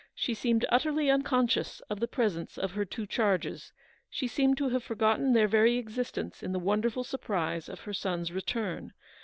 She seemed utterly unconscious of the presence of her two charges. She seemed to have forgotten their very existence in the wonderful surprise of her son's return.